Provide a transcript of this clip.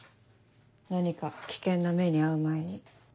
何か危険な目に遭う前に。